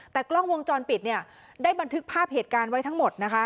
แต่กล้องวงจรปิดเนี่ยได้บันทึกภาพเหตุการณ์ไว้ทั้งหมดนะคะ